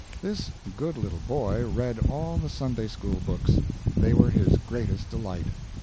This good little boy read all the Sunday school books; they were his greatest delight.